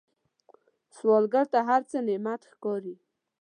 سوالګر ته هر څه نعمت ښکاري